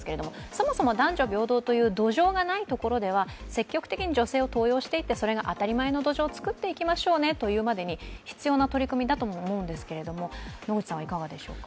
そもそも男女平等という土壌がないところでは積極的に女性を登用していって、それが当たり前の土壌にしましょうということが必要な取り組みだとも思うんですけれども、いかがでしょうか。